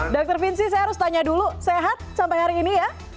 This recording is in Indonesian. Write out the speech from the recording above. dr vinci saya harus tanya dulu sehat sampai hari ini ya